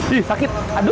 ih sakit aduh